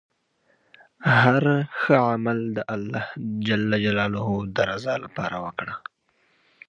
هر عمل د الله ﷻ د رضا لپاره وکړه.